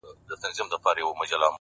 څنگه دي هېره كړمه ـ